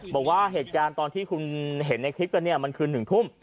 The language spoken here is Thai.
บอกว่าเหตุการณ์ตอนที่คุณเห็นในคลิปกันเนี่ยมันคือ๑ทุ่ม